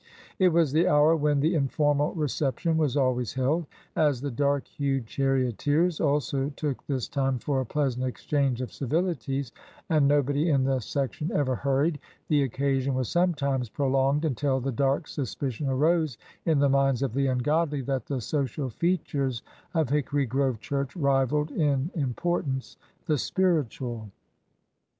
It was the hour when the informal reception was always held. As the dark hued charioteers also took this time for a pleasant exchange of civilities, and nobody in the section ever hurried, the occasion was sometimes prolonged until the dark suspicion arose in the minds of the ungodly that the social features of Hickory Grove church rivaled in importance the spiritual.